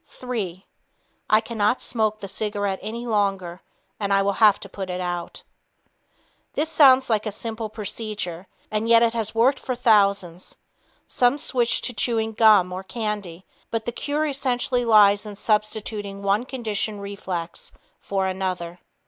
Three ... I cannot smoke the cigarette any longer, and I will have to put it out. This sounds like a simple procedure, and yet it has worked for thousands. Some switch to chewing gum or candy, but the cure essentially lies in substituting one conditioned reflex for another.